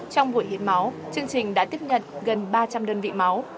trong buổi hiến máu chương trình đã tiếp nhận gần ba trăm linh đơn vị máu